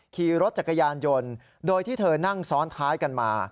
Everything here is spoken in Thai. ขี่รถจักรยานยนต์โดยที่เธอนั่งซ้อนท้ายกันมา